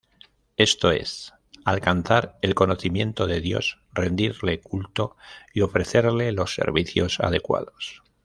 Esto es: alcanzar el conocimiento de Dios, rendirle culto y ofrecerle los servicios adecuados.